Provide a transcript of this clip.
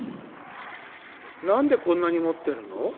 何でこんなに持ってるの？